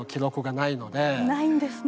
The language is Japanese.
ないんですね。